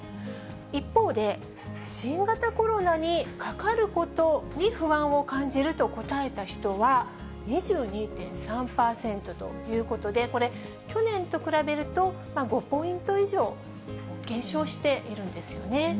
一方で、新型コロナにかかることに不安を感じると答えた人は、２２．３％ということで、これ、去年と比べると、５ポイント以上減少しているんですよね。